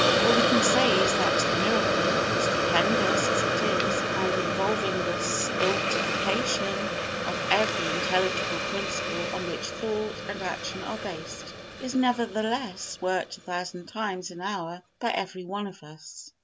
All we can say is that the miracle, stupendous as it is and involving the stultification of every intelligible principle on which thought and action are based, is nevertheless worked a thousand times an hour by every one of us.